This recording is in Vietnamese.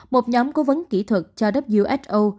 một nhóm cố vấn kỹ thuật cho who